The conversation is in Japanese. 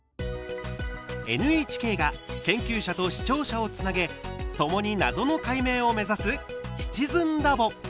ＮＨＫが研究者と視聴者をつなげともに謎の解明を目指す「シチズンラボ」。